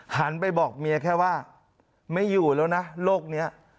หันไปบอกเมียแค่ว่าไม่อยู่แล้วนะโรคนี้